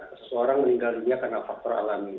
seseorang meninggal dunia karena faktor alami